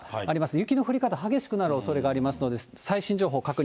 雪の降り方、激しくなるおそれがありますので、最新情報確認